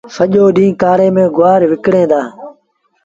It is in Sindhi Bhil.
سڄو ڏيݩهݩ ڪآڙي ميݩ گُوآر وڪڻيٚن دآ